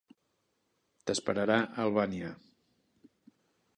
T'esperarà a Albània.